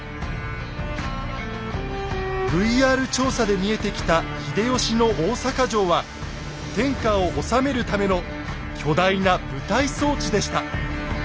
ＶＲ調査で見えてきた秀吉の大坂城は天下を治めるための巨大な舞台装置でした。